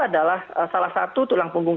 adalah salah satu tulang punggung